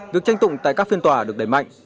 việc tranh tụng tại các phiên tòa được đẩy mạnh